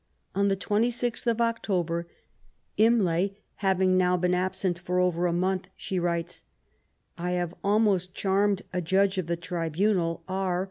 On the 26th of October, Imlay having now been absent for over a month, she writes : I have almost charmed a judge of the tribanal, R.